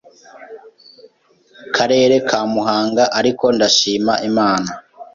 karere ka Muhanga ariko ndashima Imana